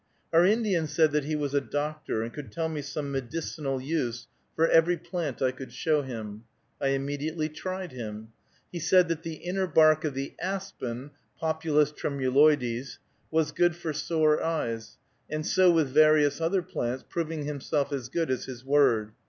Our Indian said that he was a doctor, and could tell me some medicinal use for every plant I could show him. I immediately tried him. He said that the inner bark of the aspen (Populus tremuloides) was good for sore eyes; and so with various other plants, proving himself as good as his word.